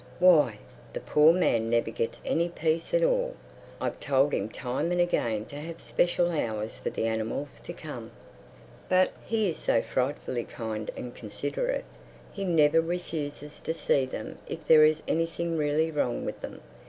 Why, the poor man never gets any peace at all! I've told him time and again to have special hours for the animals to come. But he is so frightfully kind and considerate. He never refuses to see them if there is anything really wrong with them.